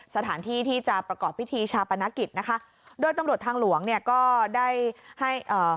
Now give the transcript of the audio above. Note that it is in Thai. สถานที่ที่จะประกอบพิธีชาปนกิจนะคะโดยตำรวจทางหลวงเนี่ยก็ได้ให้เอ่อ